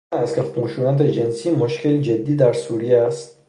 روشن است که خشونت جنسی مشکلی جدی در سوریه است.